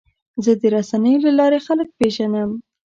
زه د رسنیو له لارې خلک پیژنم.